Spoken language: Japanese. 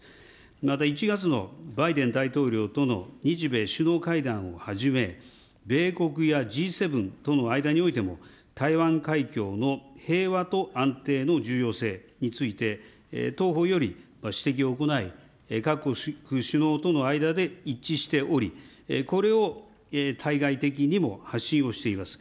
また１月のバイデン大統領との日米首脳会談をはじめ、米国やＧ７との間においても、台湾海峡の平和と安定の重要性について、当方より指摘を行い、各国首脳との間で一致しており、これを対外的にも発信をしています。